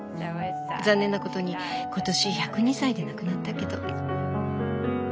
残念なことに今年１０２歳で亡くなったけど。